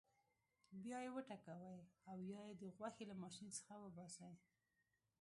بیا یې وټکوئ او یا یې د غوښې له ماشین څخه وباسئ.